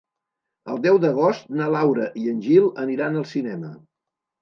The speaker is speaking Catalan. El deu d'agost na Laura i en Gil aniran al cinema.